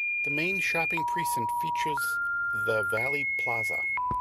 The main shopping precinct features the Valley Plaza.